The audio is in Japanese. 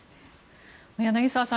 柳澤さん